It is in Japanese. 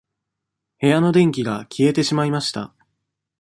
部屋の電気が消えてしまいました。